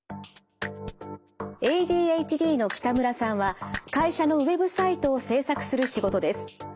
ＡＤＨＤの北村さんは会社のウェブサイトを制作する仕事です。